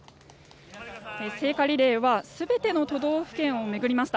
聖火リレーは全ての都道府県を巡りました。